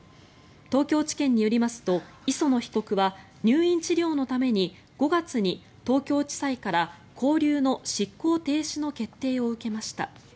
東京地検によりますと磯野被告は入院治療のために５月に東京地裁から勾留の執行停止の決定を受けました。